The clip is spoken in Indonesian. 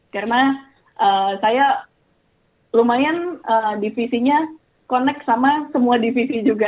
karena saya lumayan divisinya connect sama semua divisi juga